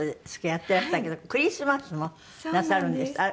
やっていらしたけどクリスマスもなさる？そうなんです。